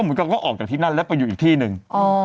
ใช่แล้วก็ออกจากที่นั่นแล้วไปอยู่อีกที่หนึ่ง